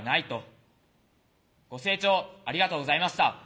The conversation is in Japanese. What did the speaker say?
ご清聴ありがとうございました。